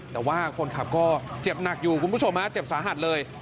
แต่ว่าคนขับก็เจ็บหนักอยู่คุณผู้ชมฮะเจ็บสาหัสเลย